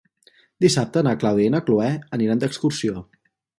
Dissabte na Clàudia i na Cloè aniran d'excursió.